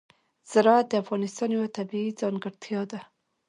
زراعت د افغانستان یوه طبیعي ځانګړتیا ده.